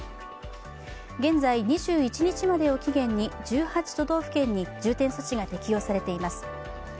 現在、２１日までを期限に１８都道府県に重点措置が適用されています。